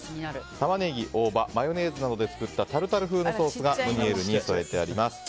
タマネギ、大葉マヨネーズなどで作ったタルタル風のソースがムニエルに添えてあります。